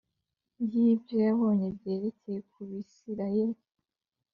y’ibyo yabonye byerekeye ku Bisirayeli